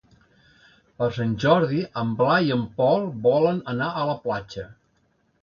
Per Sant Jordi en Blai i en Pol volen anar a la platja.